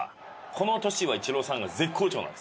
この年はイチローさんが絶好調なんです。